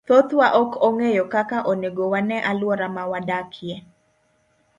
Thothwa ok ong'eyo kaka onego wane alwora ma wadakie.